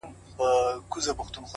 زه ومه ويده اكثر!